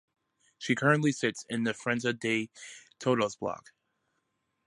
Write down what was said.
She currently sits in the Frente de Todos bloc.